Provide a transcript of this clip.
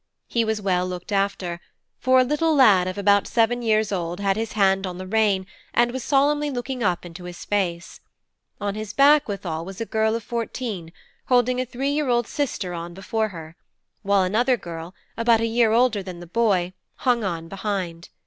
He was well looked after; for a little lad of about seven years old had his hand on the rein and was solemnly looking up into his face; on his back, withal, was a girl of fourteen, holding a three year old sister on before her; while another girl, about a year older than the boy, hung on behind.